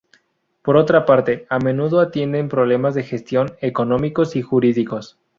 Por otra parte, a menudo atienden problemas de gestión, económicos y jurídicos.